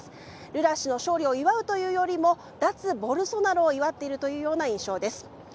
ルラ氏の勝利を祝うというよりも、脱ボルソナロを祝っているというような印象です。